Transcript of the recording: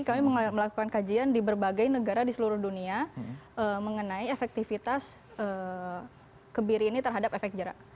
kami melakukan kajian di berbagai negara di seluruh dunia mengenai efektivitas kebiri ini terhadap efek jerak